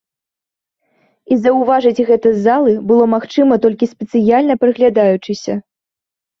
І заўважыць гэта з залы было магчыма толькі спецыяльна прыглядаючыся.